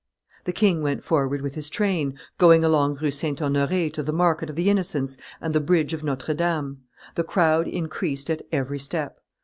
The king went forward with his train, going along Rue St. Honore to the market of the Innocents and the bridge of Notre Dame; the crowd increased at every step.